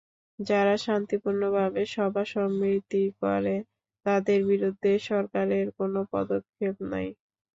যারা শান্তিপূর্ণভাবে সভা সমিতি করে, তাদের বিরুদ্ধে সরকারের কোনো পদক্ষেপ নাই।